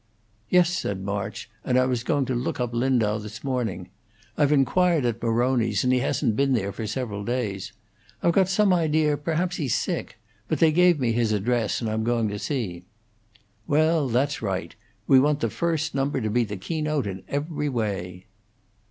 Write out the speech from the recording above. "Yes," said March; "and I was going out to look up Lindau this morning. I've inquired at Maroni's, and he hasn't been there for several days. I've some idea perhaps he's sick. But they gave me his address, and I'm going to see." "Well, that's right. We want the first number to be the keynote in every way."